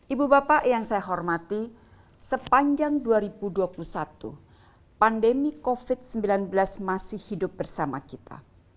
ibu bapak yang saya hormati sepanjang dua ribu dua puluh satu pandemi covid sembilan belas masih hidup bersama kita